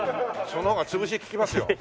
その方が潰し利きますよ。